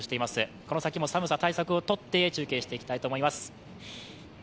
この先も寒さ対策をとって中継していきたいと思います。